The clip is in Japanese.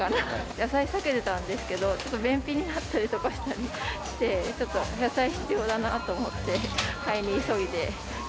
野菜避けてたんですけど、ちょっと便秘になったりとかして、ちょっと野菜必要だなと思って。